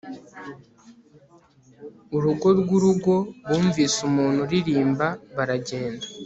urugo rwurugo, bumvise umuntu uririmba baragenda